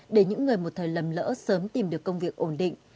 để những người một thời lầm lỡ sớm tìm được công việc ổn định